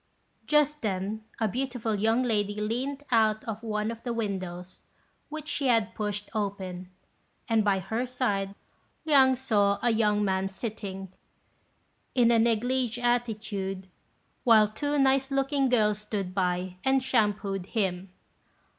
Just then a beautiful young lady leant out of one of the windows, which she had pushed open, and by her side Liang saw a young man sitting, in a négligé attitude, while two nice looking girls stood by and shampooed him.